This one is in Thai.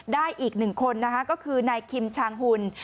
ได้อีกหนึ่งคนนะคะก็คือนายคิมชางหุ่น